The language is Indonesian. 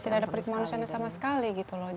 iya tidak ada perikimanusian sama sekali gitu loh